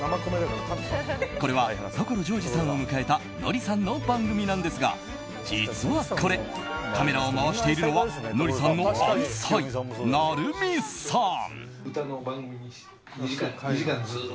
これは所ジョージさんを迎えたノリさんの番組なんですが実はこれカメラを回しているのはノリさんの愛妻・成美さん。